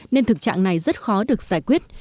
nên thực trạng này rất khó được giải quyết